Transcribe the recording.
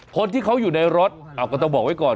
คนที่เขาอยู่ในรถก็ต้องบอกไว้ก่อน